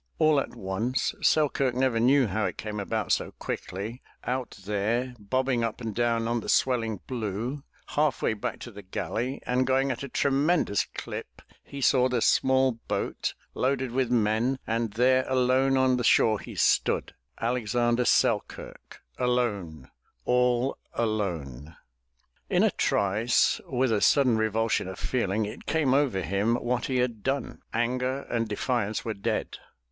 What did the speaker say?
All at once — Selkirk never knew how it came about so quickly, — out there, bobbing up and down on the swelling blue, half way back to the galley and going at a tremendous clip, he saw the small boat, loaded with men, and there alone on the shore he stood, Alexander Selkirk, alone, all alone! In a trice with a sudden revulsion of feeling, it came over him what he had done. Anger and defiance were dead.